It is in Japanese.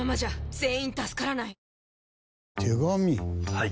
はい。